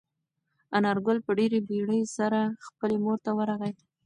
انارګل په ډېرې بیړې سره خپلې مور ته ورغی.